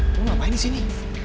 lo ngapain di sini